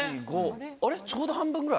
ちょうど半分ぐらい？